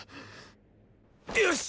よし！